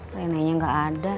reinanya gak ada